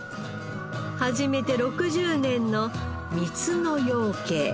始めて６０年の三野養鶏